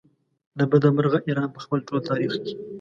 له بده مرغه ایران په خپل ټول تاریخ کې.